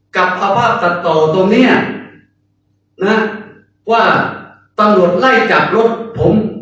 กับสภาพตัดต่อตรงเนี้ยนะว่าตำรวจไล่จับรถผม